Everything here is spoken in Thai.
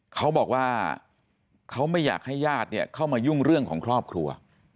เขาบอกว่าเขาไม่อยากให้ญาติเนี่ยเข้ามายุ่งเรื่องของครอบครัว